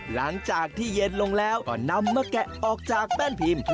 หลังจากที่เย็นลงแล้วก็นำมาแกะออกจากแป้นพิมพ์